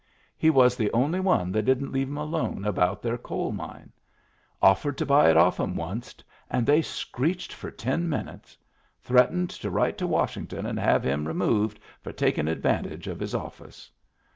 He was the only one that didn't leave 'em alone about their coal mine. OflFered to buy it off 'em wunst, and they screeched for ten minutes. Threatened to write to Washington and have him removed for takin' advantage of his office.